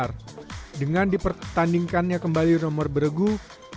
ppplt rildo anwar dengan dipetandingkan kembali nomor identify tnis indonesia dapat mencapai